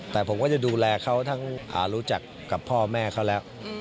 แต่ผมก็จะดูแลเขาทั้งรู้จักกับพ่อแม่เขาแล้ว